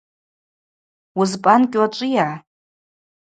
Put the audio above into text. Уызпӏанкӏьуа ачӏвыйа?